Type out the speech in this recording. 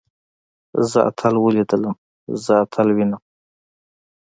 زه اتل وليدلم. زه اتل وينم.